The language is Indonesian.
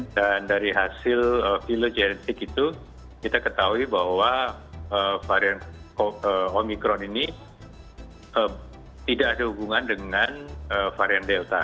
dan dari hasil filogenetik itu kita ketahui bahwa varian omikron ini tidak ada hubungan dengan varian delta